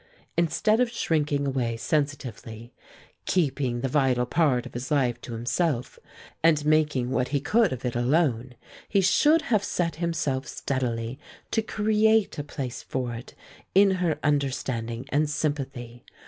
Instead of shrinking away sensitively, keeping the vital part of his life to himself and making what he could of it alone, he should have set himself steadily to create a place for it in her understanding and sympathy.